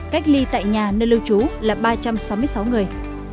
cách ly tại nhà nơi lưu trú là ba trăm sáu mươi sáu người